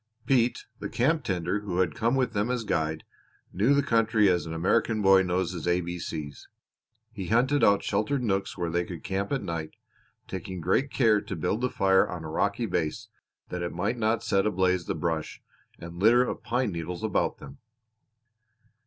Pete, the Mexican camp tender who had come with them as guide, knew the country as an American boy knows his A B C's. He hunted out sheltered nooks where they could camp at night, taking great care to build the fire on a rocky base that it might not set ablaze the brush and litter of pine needles about them.